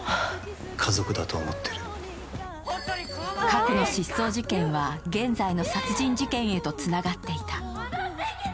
過去の失踪事件は現在の殺人事件へとつながっていた。